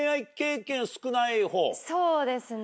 そうですね。